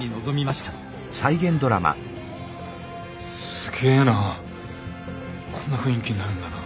すげえなこんな雰囲気になるんだな。